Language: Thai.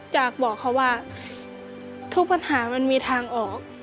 อยากบอกเขาว่าทุกปัญหามันมีทางออก